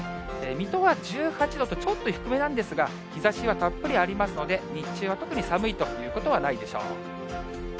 水戸は１８度と、ちょっと低めなんですが、日ざしはたっぷりありますので、日中は特に寒いということはないでしょう。